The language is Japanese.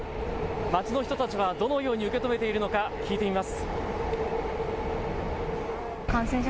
街の人たちはどのように受け止めているのか聞いてみます。